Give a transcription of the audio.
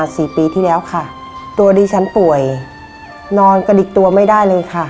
สี่ปีที่แล้วค่ะตัวดิฉันป่วยนอนกระดิกตัวไม่ได้เลยค่ะ